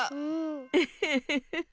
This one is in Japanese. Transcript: ウフフフフ。